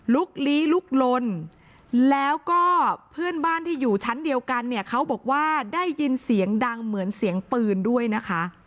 ลี้ลุกลนแล้วก็เพื่อนบ้านที่อยู่ชั้นเดียวกันเนี่ยเขาบอกว่าได้ยินเสียงดังเหมือนเสียงปืนด้วยนะคะ